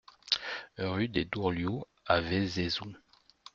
Rue des Dourlioux à Vézézoux